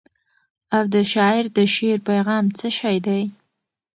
او د شاعر د شعر پیغام څه شی دی؟.